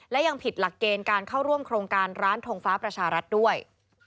และยังผิดหลักเกณฑ์การเข้าร่วมโครงการร้านทงฟ้าประชารัฐด้วย